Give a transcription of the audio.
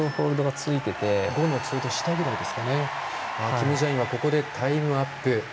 キム・ジャインはここでタイムアップ。